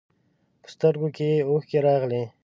په سترګو کې یې اوښکې راغلې.